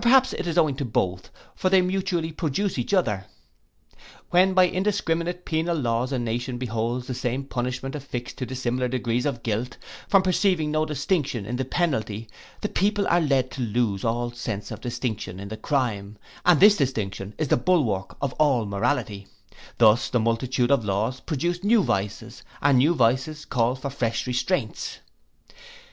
Perhaps it is owing to both; for they mutually produce each other. When by indiscriminate penal laws a nation beholds the same punishment affixed to dissimilar degrees of guilt, from perceiving no distinction in the penalty, the people are led to lose all sense of distinction in the crime, and this distinction is the bulwark of all morality: thus the multitude of laws produce new vices, and new vices call for fresh restraints.